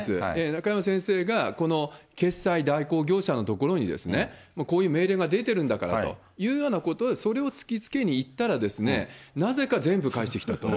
中山先生がこの決済代行業者の所に、こういう命令が出てるんだからというようなことで、それを突きつけに行ったら、なぜか全部返してきたと。